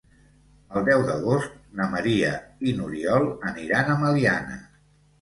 El deu d'agost na Maria i n'Oriol aniran a Meliana.